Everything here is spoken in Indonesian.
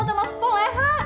sama sepuluh leha